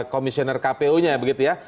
konsolidasi yang ada di situ